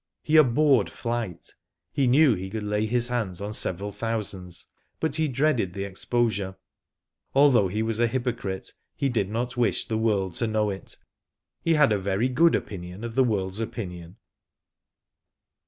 ' He abhorred flight. He knew he could lay his hands on several thousands, but he dreaded the exposure. * Although he was a hypocrite, he did not wish the world to know it. He had a very good opinion of the world's opinion.